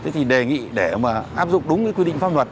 thế thì đề nghị để mà áp dụng đúng cái quy định pháp luật